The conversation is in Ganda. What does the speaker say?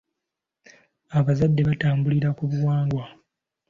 Abazadde batambulira ku buwangwa.